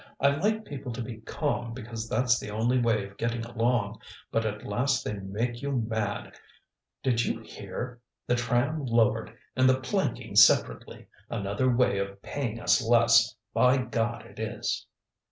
I like people to be calm, because that's the only way of getting along, but at last they make you mad. Did you hear? The tram lowered, and the planking separately! Another way of paying us less. By God it is!"